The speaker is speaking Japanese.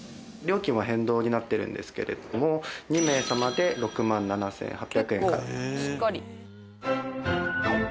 料金は変動になってるんですけれども２名様で６万７８００円からです。